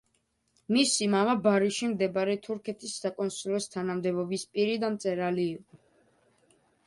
მისი მამა, ბარიში მდებარე თურქეთის საკონსულოს თანამდებობის პირი და მწერალი იყო.